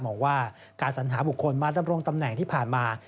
บอกว่าการสัญหาบุคคลมาดำรงตำแหน่งที่ผ่านมา